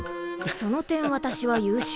その点私は優秀。